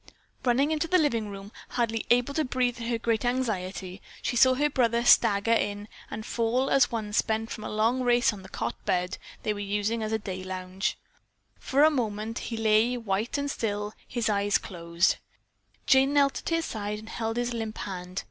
Running into the living room, hardly able to breath in her great anxiety, she saw her brother stagger in and fall as one spent from a long race on the cot bed they were using as a day lounge. For a moment he lay white and still, his eyes closed. Jane knelt at his side and held his limp hand.